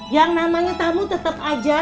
yang namanya tamu tetap aja